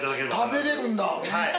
食べれるんだ。